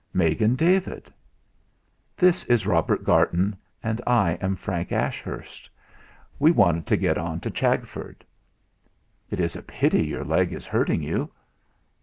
"Megan David." "This is Robert Garton, and I am Frank Ashurst. We wanted to get on to Chagford." "It is a pity your leg is hurting you."